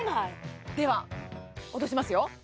では落としますよ